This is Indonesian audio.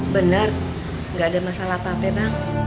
bener gak ada masalah apa apa bang